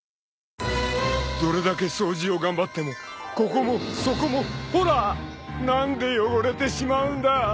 ［どれだけ掃除を頑張ってもここもそこもほら何で汚れてしまうんだ］